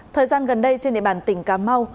thời gian gần đây trên địa bàn tỉnh cà mau